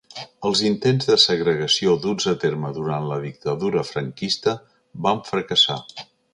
Els intents de segregació duts a terme durant la dictadura Franquista van fracassar.